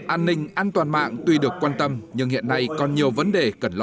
an ninh an toàn mạng tuy được quan tâm nhưng hiện nay còn nhiều vấn đề cần lo